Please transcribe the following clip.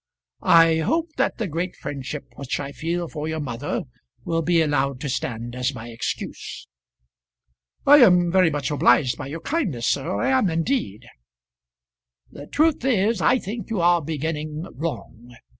I hope that the great friendship which I feel for your mother will be allowed to stand as my excuse." "I am very much obliged by your kindness, sir; I am indeed." "The truth is, I think you are beginning wrong.